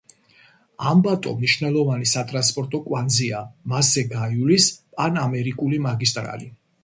ამბატო მნიშვნელოვანი სატრანსპორტო კვანძია, მასზე გაივლის პანამერიკული მაგისტრალი.